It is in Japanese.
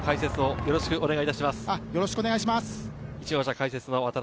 よろしくお願いします。